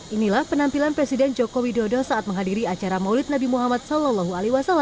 inilah penampilan presiden joko widodo saat menghadiri acara maulid nabi muhammad saw